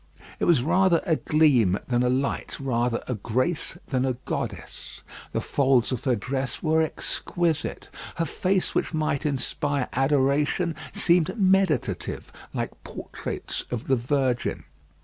It was rather a gleam than a light rather a grace than a goddess; the folds of her dress were exquisite; her face which might inspire adoration, seemed meditative, like portraits of the Virgin.